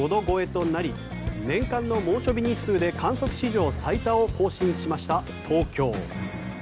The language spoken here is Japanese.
となり年間の猛暑日日数で観測史上最多を更新しました東京。